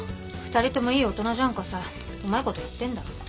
２人ともいい大人じゃんかさうまいことやってんだろ。